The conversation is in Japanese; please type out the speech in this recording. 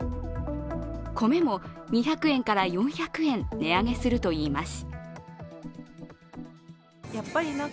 米も２００円から４００円値上げするといいます。